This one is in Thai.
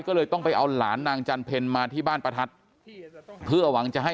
ก็เลยต้องไปเอาหลานนางจันเพลมาที่บ้านประทัดเพื่อหวังจะให้